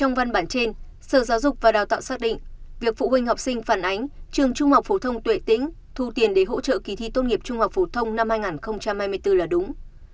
trong văn bản trên sở giáo dục và đào tạo xác định việc phụ huynh học sinh phản ánh trường trung học phổ thông tuệ tĩnh thu tiền để hỗ trợ kỳ thi tốt nghiệp trung học phổ thông năm hai nghìn hai mươi bốn là đúng